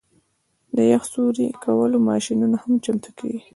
د یخ سوري کولو ماشینونه هم چمتو کیږي